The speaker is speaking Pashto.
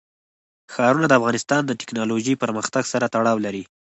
ښارونه د افغانستان د تکنالوژۍ پرمختګ سره تړاو لري.